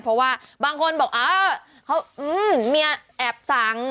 เพราะว่าบางคนบอกเออเมียแอบสั่ง